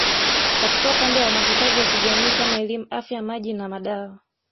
Katika upande wa mahitaji ya kijamii kama elimu Afya Maji na madawa